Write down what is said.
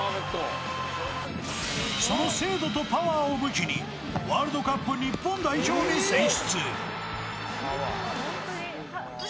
その精度とパワーを武器にワールドカップ日本代表に選出。